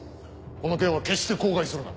この件は決して口外するな。